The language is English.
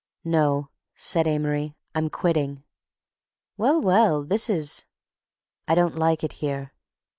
"No," said Amory. "I'm quitting." "Well—well—this is—" "I don't like it here."